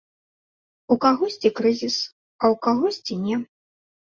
У кагосьці крызіс, а ў кагосьці не.